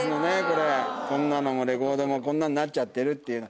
これこんなのもレコードもこんなんなっちゃってるっていう。